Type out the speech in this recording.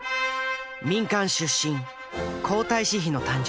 民間出身皇太子妃の誕生。